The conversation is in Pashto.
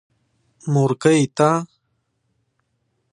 مورکۍ تا.